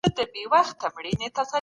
د بدن لپاره سبزي ډېره ګټوره ده.